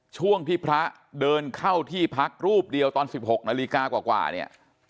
ช่วงที่พระเดินเข้าที่พักรูปเดียวตอน๑๖นาฬิกากว่าเนี่ย